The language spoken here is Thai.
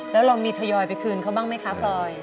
แล้วเรามีทยอยไปคืนเขาบ้างไหมคะพลอย